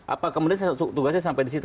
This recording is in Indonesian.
apa kemudian tugasnya sampai di situ